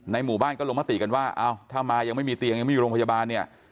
หมู่บ้านก็ลงมติกันว่าอ้าวถ้ามายังไม่มีเตียงยังไม่มีโรงพยาบาลเนี่ย